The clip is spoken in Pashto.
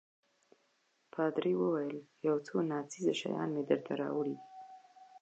پادري وویل: یو څو ناڅېزه شیان مې درته راوړي دي.